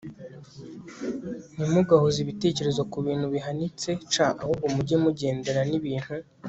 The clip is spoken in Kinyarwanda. Ntimugahoze ibitekerezo ku bintu bihanitse c ahubwo mujye mugendana n ibintu